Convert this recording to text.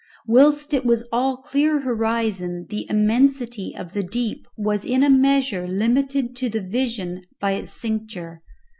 Whilst it was all clear horizon the immensity of the deep was in a measure limited to the vision by its cincture.